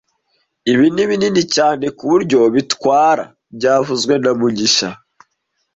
Ibi ni binini cyane ku buryo bitwara byavuzwe na mugisha